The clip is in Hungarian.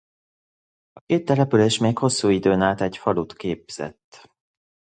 A két település még hosszú időn át egy falut képzett.